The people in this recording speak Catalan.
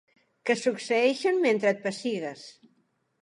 Que succeeixen mentre et pessigues.